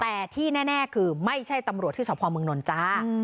แต่ที่แน่แน่คือไม่ใช่ตำรวจที่สอพอมเมืองนลจ๊ะอืม